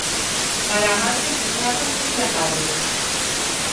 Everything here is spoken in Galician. Para amantes dos dramas implacábeis.